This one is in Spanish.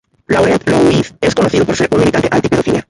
Laurent Louis es conocido por ser un militante anti-pedofilia.